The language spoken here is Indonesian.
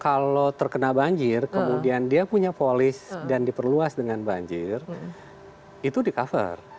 kalau terkena banjir kemudian dia punya polis dan diperluas dengan banjir itu di cover